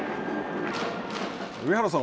上原さん